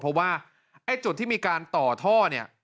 เพราะว่าไอ้จุดที่มีการต่อท่อเนี่ย